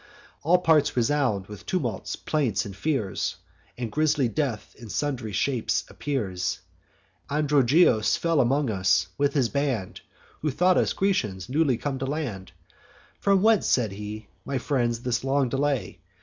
All parts resound with tumults, plaints, and fears; And grisly Death in sundry shapes appears. Androgeos fell among us, with his band, Who thought us Grecians newly come to land. 'From whence,' said he, 'my friends, this long delay?